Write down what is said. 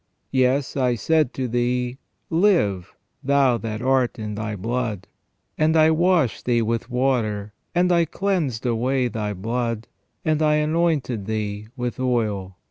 Yes, I said to thee : Live, thou that art in thy blood. .., And I washed thee with water, and I cleansed away thy blood ; and I anointed thee with oil.